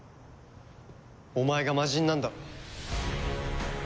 お前が魔人なんだろ？